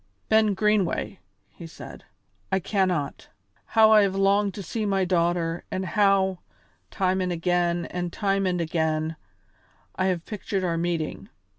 "Ben Greenway," he said, "I cannot. How I have longed to see my daughter, and how, time and again and time and again, I have pictured our meeting!